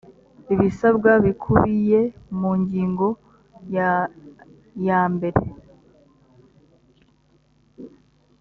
ibisabwa bikubiye mu ngingo ya yambere.